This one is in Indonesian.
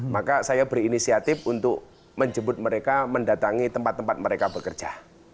maka saya berinisiatif untuk menjemput mereka mendatangi tempat tempat mereka bekerja